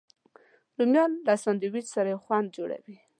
رومیان له سنډویچ سره یو خوند جوړوي